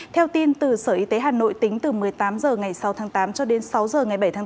theo tin từ sở y tế hà nội tính từ một mươi tám h ngày sáu tháng tám cho đến sáu h ngày bảy tháng tám